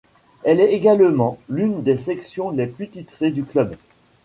Elle est également l'une des sections les plus titrées du club.